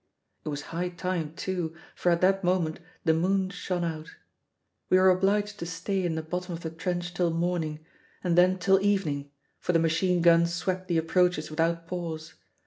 It was high time, too, for at that moment the moon shone out. We were obliged to stay in the bottom of the trench till morning, and then till evening, for the machine gun swept the approaches without pause.